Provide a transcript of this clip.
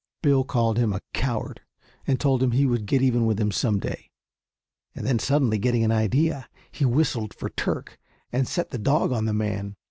Bill called him a coward and told him he would get even with him some day; and then suddenly getting an idea, he whistled for Turk, and set the dog on the man.